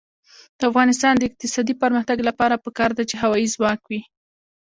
د افغانستان د اقتصادي پرمختګ لپاره پکار ده چې هوایی ځواک وي.